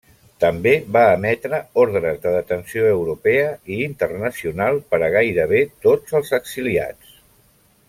També va emetre ordres de detenció europea i internacional per a gairebé tots els exiliats.